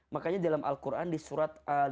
makanya dalam al quran di surat al mu'ad